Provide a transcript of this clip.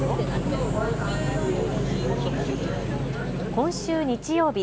今週日曜日。